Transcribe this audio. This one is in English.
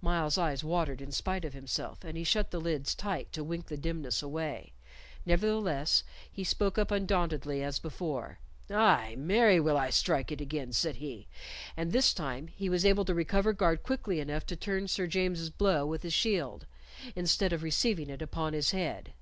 Myles's eyes watered in spite of himself, and he shut the lids tight to wink the dimness away. Nevertheless he spoke up undauntedly as before. "Aye, marry, will I strike it again," said he; and this time he was able to recover guard quickly enough to turn Sir James's blow with his shield, instead of receiving it upon his head.